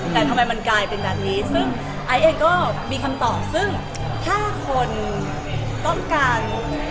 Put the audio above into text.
แต่ทำไมมันกลายเป็นแบบนี้ซึ่งไอซ์เองก็มีคำตอบซึ่งถ้าคนต้องการ